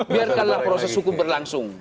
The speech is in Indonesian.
biarkan proses hukum berlangsung